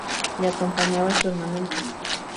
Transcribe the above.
Le acompañaba su hermano Manuel.